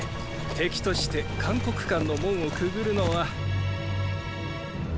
敵として函谷関の門をくぐるのは。